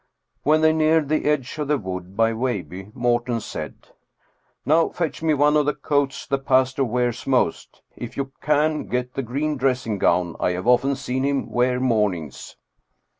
When they neared the edge of the wood by Veilbye, Morten said, " Now fetch me one of the coats the pastor wears most. If you can, get the green dressing gown I have often seen him wear mornings."